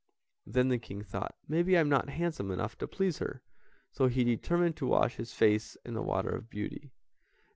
Then the King thought: "Maybe I am not handsome enough to please her!" so he determined to wash his face in the water of beauty.